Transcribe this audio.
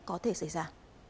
có thể xảy ra